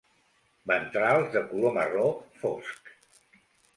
Ventrals de color marró fosc.